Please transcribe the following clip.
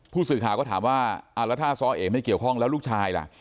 ผู้สื่อข่าวก็ถามว่าแล้วถ้าซ้อเอไม่เกี่ยวข้องแล้วลูกชายล่ะ